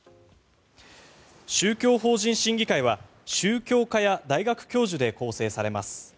宗教法人審議会は宗教家や大学教授で構成されます。